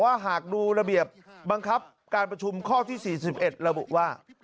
หากดูระเบียบบังคับการประชุมข้อที่๔๑ระบุว่า